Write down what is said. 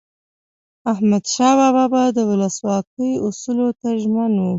احمدشاه بابا به د ولسواکۍ اصولو ته ژمن و.